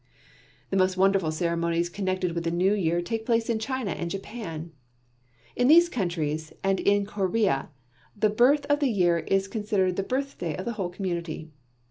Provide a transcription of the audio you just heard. The most wonderful ceremonies connected with the New Year take place in China and Japan. In these countries and in Corea the birth of the year is considered the birthday of the whole community.